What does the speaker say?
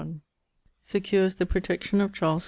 41ᵛ. <_Secures the protection of Charles II.